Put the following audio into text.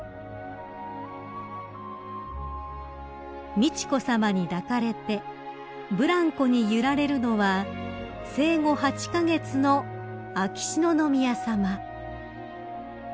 ［美智子さまに抱かれてぶらんこに揺られるのは生後８カ月の秋篠宮さま］